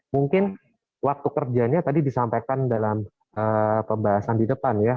mungkin waktu kerjanya tadi disampaikan dalam pembahasan di depan ya